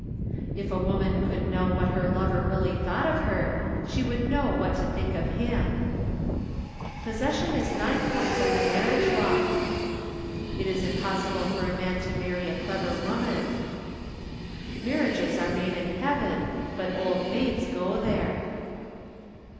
If a woman could know what her lover really thought of her she would know what to think of him. Possession is nine points of the marriage law. It is impossible for a man to marry a clever woman. Marriages are made in heaven, but old maids go there.